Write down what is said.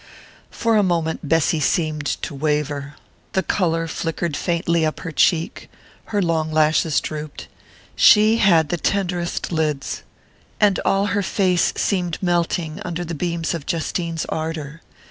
For a moment Bessy seemed to waver. The colour flickered faintly up her cheek, her long lashes drooped she had the tenderest lids! and all her face seemed melting under the beams of Justine's ardour.